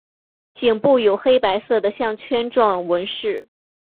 颈部有黑白色的项圈状纹饰。